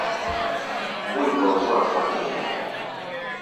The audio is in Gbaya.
Mbúi hɔɔ zú-a fɔtɛɛ.